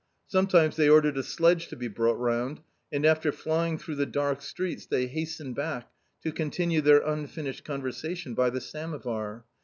Sometimes they ordered a sledge to be brought round, and after flying through the dark streets they hastened back to continue their unfinished conversation by the samovar.